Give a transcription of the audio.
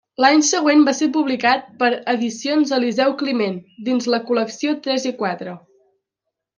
L'any següent va ser publicat per Edicions Eliseu Climent dins la col·lecció tres i quatre.